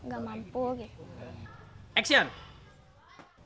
gak mampu gitu